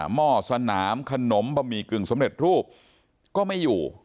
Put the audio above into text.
หม้อสวรรค์น้ำขนมปะหมี่กึ่งสมเด็จรูปก็ไม่อยู่